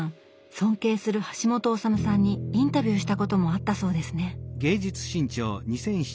尊敬する橋本治さんにインタビューしたこともあったそうですね。